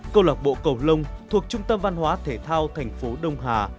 câu lạc bộ cầu lông thuộc trung tâm văn hóa thể thao tp đông hà